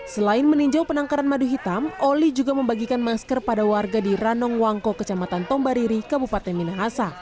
selain meninjau penangkaran madu hitam oli juga membagikan masker pada warga di ranong wangko kecamatan tombariri kabupaten minahasa